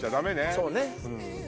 そうね。